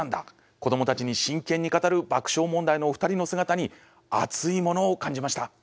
子どもたちに真剣に語る爆笑問題のお二人の姿に熱いものを感じました。